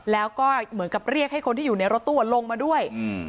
แล้วก็เหมือนกับเรียกให้คนที่อยู่ในรถตู้ลงมาด้วยอืม